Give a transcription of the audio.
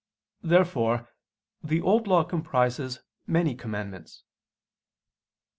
Therefore the Old Law comprises many commandments.